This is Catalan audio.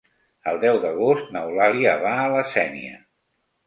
El deu d'agost n'Eulàlia va a la Sénia.